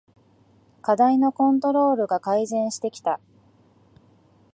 課題のコントロールが改善してきた